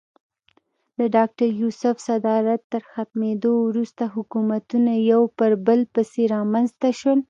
د ډاکټر یوسف صدارت تر ختمېدو وروسته حکومتونه یو پر بل پسې رامنځته شول.